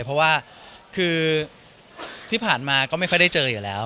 เพราะว่าคือที่ผ่านมาก็ไม่ค่อยได้เจออยู่แล้ว